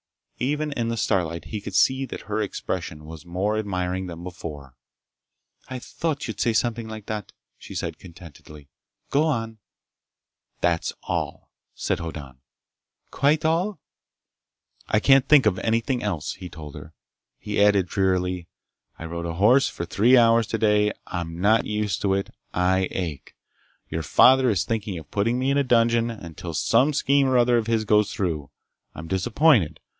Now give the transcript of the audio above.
Even in the starlight he could see that her expression was more admiring than before. "I thought you'd say something like that!" she said contentedly. "Go on!" "That's all," said Hoddan. "Quite all?" "I can't think of anything else," he told her. He added drearily: "I rode a horse for three hours today. I'm not used to it. I ache. Your father is thinking of putting me in a dungeon until some scheme or other of his goes through. I'm disappointed.